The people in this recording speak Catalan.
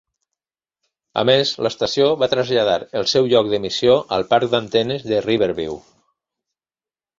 A més, l'estació va traslladar el seu lloc d'emissió al parc d'antenes de Riverview.